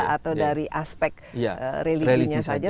atau dari aspek religinya saja